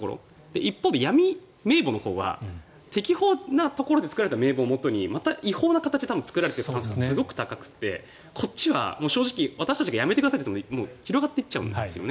一方で闇名簿のほうは適法なところで作られた名簿をもとにまた違法な形で作られている可能性がすごく高くてこっちは正直、私たちがやめてくださいと言っても広がっていっちゃうんですよね。